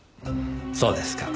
そうですか。